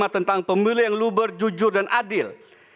tentang pemilu yang luber jujur dan adil